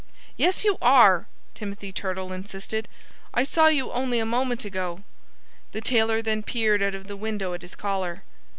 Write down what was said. "Yes, you are!" Timothy Turtle insisted. "I saw you only a moment ago." The tailor then peered out of the window at his caller.